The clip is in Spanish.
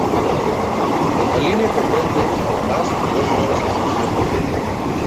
La línea comprende, además, dos nuevas estaciones